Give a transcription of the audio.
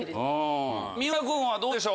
三浦君はどうでしょう？